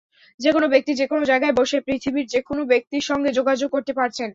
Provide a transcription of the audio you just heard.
যেকোনো ব্যক্তি যেকোনো জায়গায় বসে পৃথিবীর যেকোনো ব্যক্তির সঙ্গে যোগাযোগ করতে পারছেন।